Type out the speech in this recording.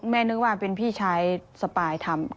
นึกว่าเป็นพี่ชายสปายทำ